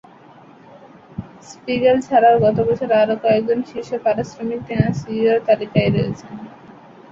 Spiegel ছাড়াও গত বছর আরও কয়েকজন শীর্ষ পারিশ্রমিক নেওয়া সিইওর তালিকায় রয়েছেন।